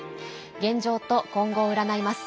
現状と今後を占います。